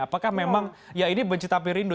apakah memang ya ini benci tapi rindu